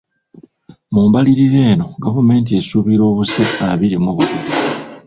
Mu mbalirira eno, gavumenti esuubira obuse abiri mu bubiri.